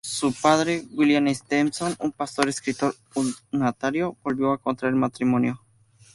Su padre, William Stevenson, un pastor y escritor unitario, volvió a contraer matrimonio.